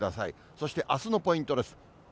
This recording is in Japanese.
そしてあすのポイントです。